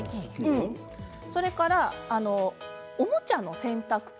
それから、おもちゃの洗濯機